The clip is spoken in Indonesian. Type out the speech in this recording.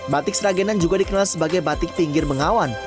batik sragenan juga dikenal sebagai batik pinggir bengawan